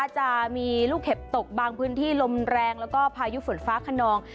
จะมีลูกเห็บตกบางพื้นที่ลมแรงแล้วก็พายุฝนฟ้าขนอง